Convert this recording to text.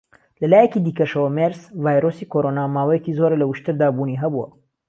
لە لایەکی دیکەشەوە، مێرس-ڤایرۆسی کۆڕۆنا ماوەیەکی زۆرە لە وشتردا بوونی هەبووە.